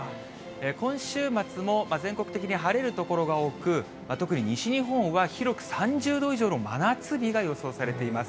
今週末も全国的に晴れる所が多く、特に西日本は広く３０度以上の真夏日が予想されています。